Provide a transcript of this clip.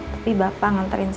tapi bapak nganterin orang lain